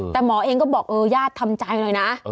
แต่หมอเองก็บอกเออญาติทำใจหน่อยนะ